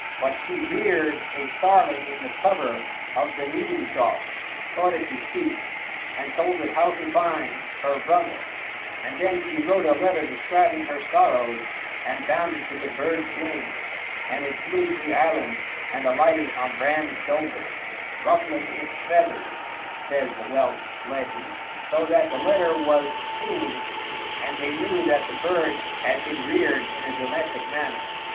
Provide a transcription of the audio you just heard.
But she reared a starling in the cover of the kneading trough, taught it to speak, and told it how to find her brother; and then she wrote a letter describing her sorrows and bound it to the bird's wing, and it flew to the island and alighted on Bran's shoulder, "ruffling its feathers" (says the Welsh legend) "so that the letter was seen, and they knew that the bird had been reared in a domestic manner."